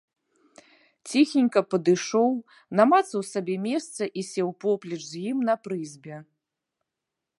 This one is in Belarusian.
Ціхенька падышоў, намацаў сабе месца і сеў поплеч з ім на прызбе.